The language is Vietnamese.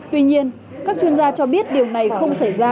tuy nhiên các chuyên gia cho biết điều này không xảy ra